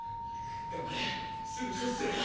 頑張れすぐ処置するから。